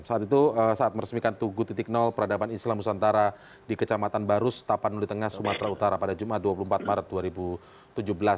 saat itu saat meresmikan tugu peradaban islam nusantara di kecamatan barus tapanuli tengah sumatera utara pada jumat dua puluh empat maret dua ribu tujuh belas